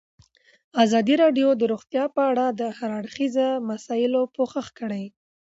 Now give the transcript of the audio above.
ازادي راډیو د روغتیا په اړه د هر اړخیزو مسایلو پوښښ کړی.